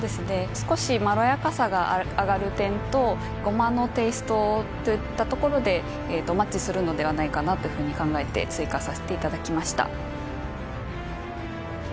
少しごまのテイストといったところでマッチするのではないかなというふうに考えて追加させていただきました